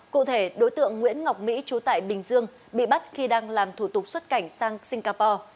cụ thể đối tượng nguyễn ngọc mỹ trú tại bình dương bị bắt khi đang làm thủ tục xuất cảnh sang singapore